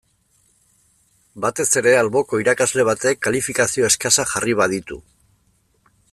Batez ere alboko irakasle batek kalifikazio eskasak jarri baditu.